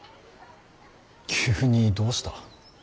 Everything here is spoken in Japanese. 急にどうした。